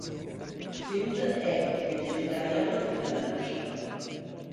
Field è vegetariano fin dalla nascita.